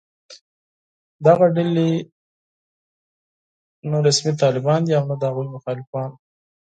دغه ډلې نه رسمي طالبان دي او نه د هغوی مخالفان